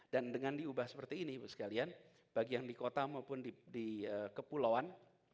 dan dengan diubah seperti ini bagi yang di kota maupun di kepulauan